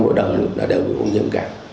với đồng lực là đều bị không nhiễm cả